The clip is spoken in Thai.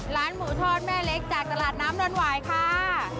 ร้านหมูทอดแม่เล็กจากตลาดน้ำดอนหวายค่ะ